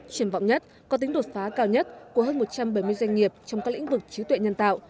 triển vọng nhất có tính đột phá cao nhất của hơn một trăm bảy mươi doanh nghiệp trong các lĩnh vực trí tuệ nhân tạo